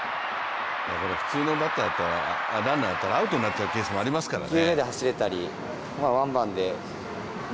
普通のランナーだったらアウトになっちゃうケースもありますからね。